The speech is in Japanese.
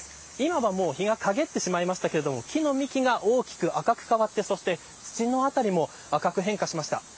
今はもう日が陰ってしまいましたが木の幹が大きく赤く変わって土の辺りも赤く変化しました。